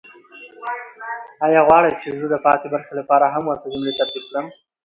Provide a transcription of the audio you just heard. آیا غواړئ چې زه د پاتې برخې لپاره هم ورته جملې ترتیب کړم؟